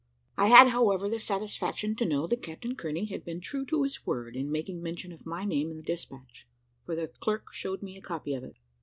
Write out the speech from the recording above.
I had, however, the satisfaction to know that Captain Kearney had been true to his word in making mention of my name in the despatch, for the clerk showed me a copy of it.